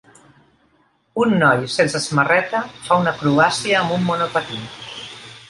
Un noi sense samarreta fa una acrobàcia amb un monopatí.